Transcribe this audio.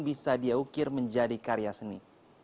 bisa diaukir menjadi karya seni